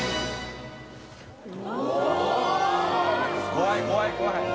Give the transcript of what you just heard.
怖い怖い怖い。